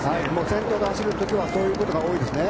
先頭で走る時はそういうことが多いですね。